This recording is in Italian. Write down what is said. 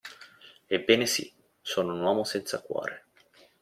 Ebbene, sì, sono un uomo senza cuore.